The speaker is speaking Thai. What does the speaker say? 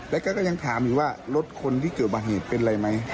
แล้วก็ก็ยังถามอยู่ว่ารถคนที่เกิดมาเหตุเป็นอะไรไหม